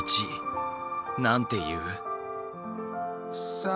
さあ